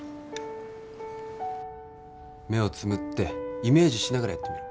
目をつむってイメージしながらやってみろ。